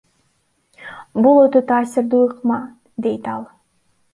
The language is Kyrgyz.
Бул өтө таасирдүү ыкма, – дейт ал.